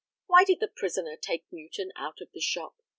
Why did the prisoner take Newton out of the shop?